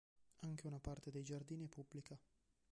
Anche una parte dei giardini è pubblica.